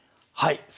はい。